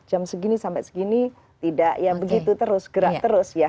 jam segini sampai segini tidak ya begitu terus gerak terus ya